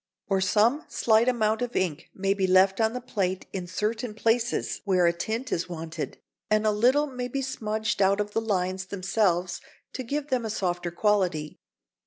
Or some slight amount of ink may be left on the plate in certain places where a tint is wanted, and a little may be smudged out of the lines themselves to give them a softer quality.